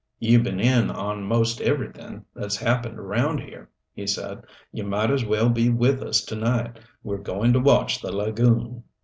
"You've been in on most everything that's happened around here," he said. "You might as well be with us to night. We're going to watch the lagoon."